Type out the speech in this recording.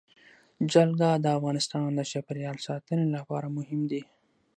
جلګه د افغانستان د چاپیریال ساتنې لپاره مهم دي.